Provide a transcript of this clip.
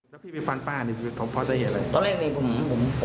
แล้วที่นี่มันโดนแก่ไงไปโดนตรงไหนครับ